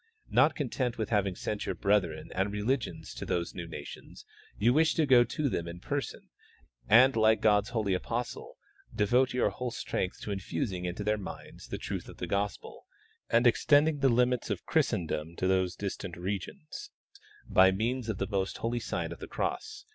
Not content Math having sent your brethren and religions to those new nations, you wish to go to them in person, and like God's holy apostles devote your whole strength to infusing into their minds the truth of the gospel, and extending the limits of Christendom to those distant regions by means of the most holy sign of the cross.